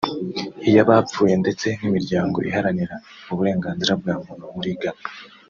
iy’abapfuye ndetse n’imiryango iharanira uburenganzira bwa muntu muri Ghana